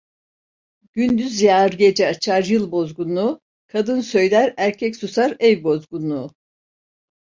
Gündüz yağar gece açar, yıl bozgunluğu; kadın söyler erkek susar, ev bozgunluğu.